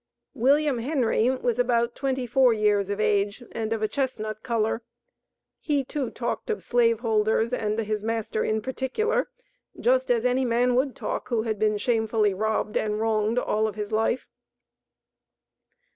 William Henry was about twenty four years of age, and of a chestnut color. He too talked of slave holders, and his master in particular, just as any man would talk who had been shamefully robbed and wronged all his life.